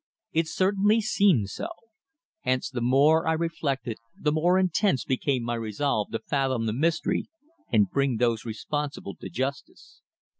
It certainly seemed so. Hence the more I reflected the more intense became my resolve to fathom the mystery and bring those responsible to justice.